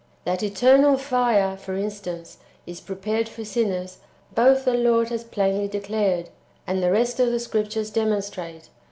That eternal fire, [for instance,] is prepared for sinners, both the Lord has plainly declared, and the rest of the Scriptures de monstrate.